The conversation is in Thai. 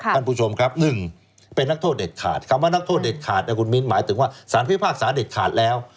ท่านผู้ชมครับ๑เป็นนักโทษเด็ดขาดคำว่านักโทษเด็ดขาดนะคุณมิ้นหมายถึงว่าสารพิพากษาเด็ดขาดแล้ว